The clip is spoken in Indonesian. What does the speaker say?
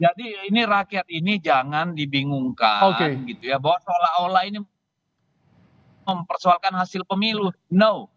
jadi ini rakyat ini jangan dibingungkan gitu ya bahwa seolah olah ini mempersoalkan hasil pemilu enggak